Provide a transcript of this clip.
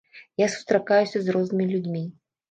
Я сустракаюся з рознымі людзьмі.